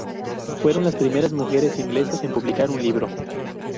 Fueron las primeras mujeres inglesas en publicar un libro.